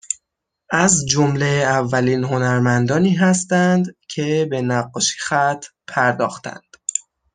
از جمله اولین هنرمندانی هستند که به نقاشیخط پرداختند